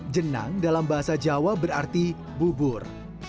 jenang dalam bahasa jawa berarti bubur